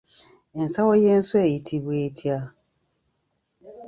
Ensawo y'enswa eyitibwa etya?